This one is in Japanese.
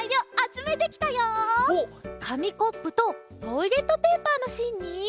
かみコップとトイレットペーパーのしんに。